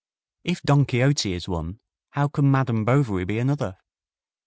If "Don Quixote" is one, how can "Madame Bovary" be another?